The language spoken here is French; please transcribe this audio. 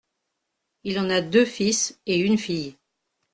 Il en a deux fils et une fille.